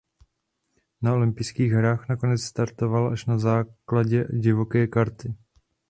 Na olympijských hrách nakonec startovala až na základě divoké karty.